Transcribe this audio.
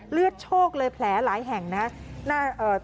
เลือดโชคเลยแผลหลายแห่งนะครับ